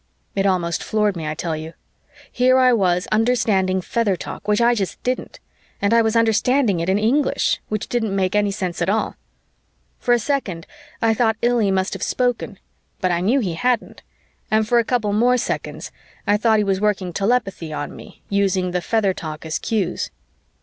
It almost floored me, I tell you. Here I was understanding feather talk, which I just didn't, and I was understanding it in English, which didn't make sense at all. For a second, I thought Illy must have spoken, but I knew he hadn't, and for a couple more seconds I thought he was working telepathy on me, using the feather talk as cues.